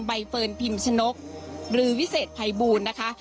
ใบเฟิร์นพิมชนกหรือวิเศษภัยบูลนะคะ